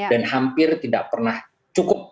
dan hampir tidak pernah cukup